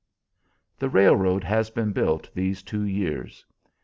The railroad has been built these two years.